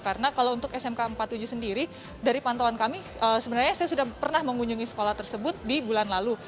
karena kalau untuk smk empat puluh tujuh sendiri dari pantauan kami sebenarnya saya sudah pernah mengunjungi sekolah tersebut di bulan lalu